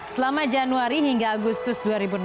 selama januari hingga agustus dua ribu enam belas